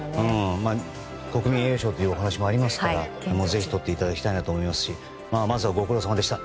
国民栄誉賞というお話もありますから、それもぜひとっていただきたいなと思いますしまずはご苦労さまでした。